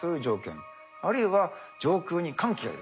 あるいは上空に寒気がいると。